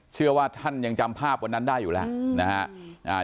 เชื่อว่าท่านยังจำภาพวันนั้นได้อยู่แล้วนะฮะ